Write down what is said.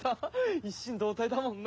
一心同体だもんな。